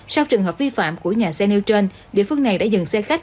sau trường hợp vi phạm của nhà xe nêu trên địa phương này đã dừng xe khách